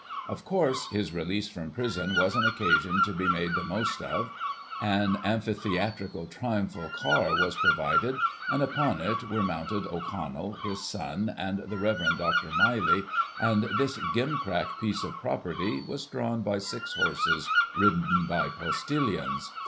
Of course, his release from prison was an occasion to be made the most of. An amphitheatrical tritunphal car was provided, and, upon it, were mounted 0*Connell, his son, and the Rev. Dr. . Miley, and this gimcrack piece of property was drawn by six horses ridden by postillions.